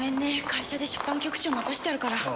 会社で出版局長待たしてあるから。